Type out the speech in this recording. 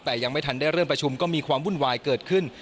แต่ยังไม่ทันได้เริ่มประชุมก็มีความวุ่นวายเกิดขึ้น